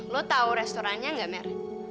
lo tau restorannya gak mer